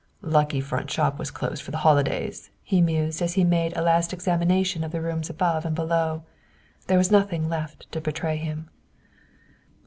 "Lucky the front shop was closed for the holidays," he mused as he made a last examination of the rooms above and below. There was nothing left to betray him.